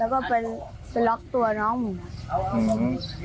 แล้วก็ไปล็อกตัวน้องผม